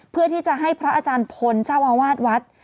เพื่อที่จะให้พระอาจารย์พลเจ้าอาวาสวัด